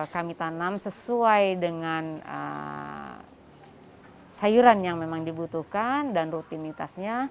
kami tanam sesuai dengan sayuran yang memang dibutuhkan dan rutinitasnya